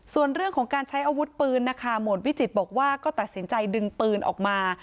ส่วนเรื่องของการใช้อาวุธปืนนะคะหมวดวิจิตรบอกว่าก็ตัดสินใจดึงปืนออกมา